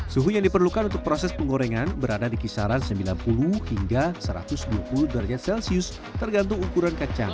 suhu yang diperlukan untuk proses penggorengan berada di kisaran sembilan puluh hingga satu ratus dua puluh derajat celcius tergantung ukuran kacang